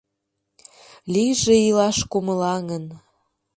Лийже илаш кумылаҥын